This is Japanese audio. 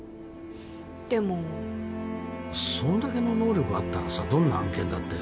でもそんだけの能力あったらさどんな案件だって